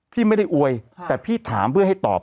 พี่ไม่ได้อวยแต่พี่ถามเพื่อให้ตอบ